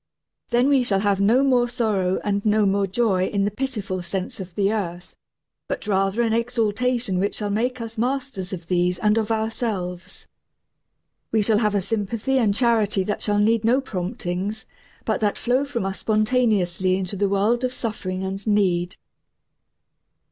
Then we shall have no more sorrow and no more joy in the pitiful sense of the earth, but rather an exaltation which shall make us masters of these and of ourselves. We shall have a sympathy and charity that shall need no promptings, but that flow from us spontaneously into the world of suffering and need.